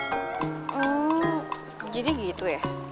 hmm jadi gitu ya